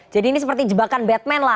jadi ini seperti jebakan batman lah